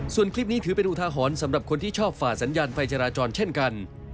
ส่วนคลิปนี้ถือเป็นอุทาหรณ์สำหรับคนที่ชอบฝ่าสัญญาณไฟจราจรเช่นกัน